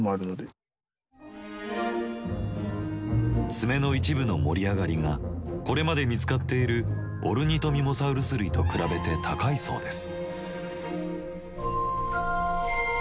爪の一部の盛り上がりがこれまで見つかっているオルニトミモサウルス類と比べて高いそうです。